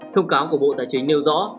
thông cáo của bộ tài chính nêu rõ